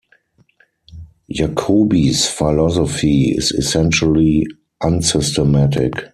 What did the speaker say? Jacobi's philosophy is essentially unsystematic.